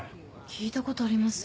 聞いたことあります。